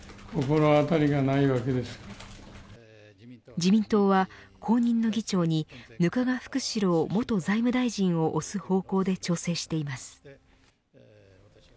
自民党は、後任の議長に額賀福志郎元財務大臣を推す方向で調整しています。